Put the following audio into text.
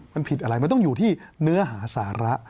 มันผิดอะไรมันต้องอยู่ที่เนื้อหาสาระ